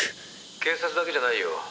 「警察だけじゃないよ